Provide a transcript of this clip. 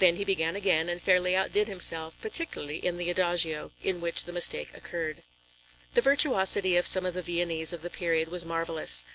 Then he began again and fairly outdid himself, particularly in the Adagio, in which the mistake occurred. The virtuosity of some of the Viennese of the period was marvellous.